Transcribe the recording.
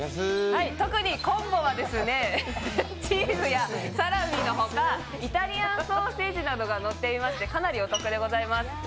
特にコンボはチーズやサラミの他イタリアンソーセージなどが乗っていましてかなりお得でございます。